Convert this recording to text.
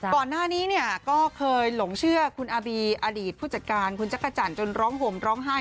ก่อนหน้านี้เนี่ยก็เคยหลงเชื่อคุณอาบีอดีตผู้จัดการคุณจักรจันทร์จนร้องห่มร้องไห้